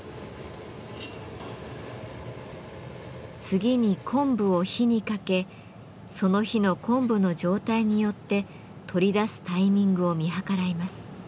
次に昆布を火にかけその日の昆布の状態によって取り出すタイミングを見計らいます。